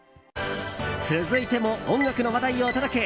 続いても音楽の話題をお届け。